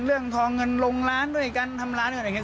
เรื่องทองเงินลงร้านด้วยกันทำร้านด้วยกันอย่างเงี้ย